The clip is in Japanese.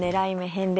返礼